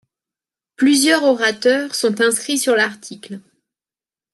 Plusieurs orateurs sont inscrits sur l’article.